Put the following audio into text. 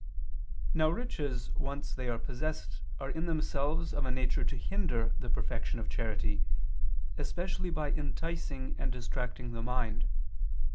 Now riches once they are possessed are in themselves of a nature to hinder the perfection of charity, especially by enticing and distracting the mind.